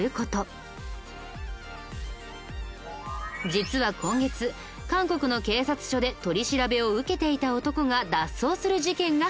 実は今月韓国の警察署で取り調べを受けていた男が脱走する事件が発生。